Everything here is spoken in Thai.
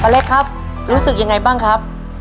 เล็กครับรู้สึกยังไงบ้างครับ